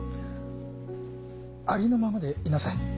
ありのままでいなさい。